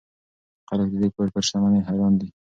خلک د دې کور پر شتمنۍ حیران دي.